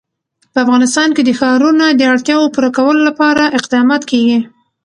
په افغانستان کې د ښارونه د اړتیاوو پوره کولو لپاره اقدامات کېږي.